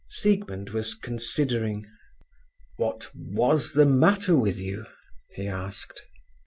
Siegmund was considering. "What was the matter with you?" he asked.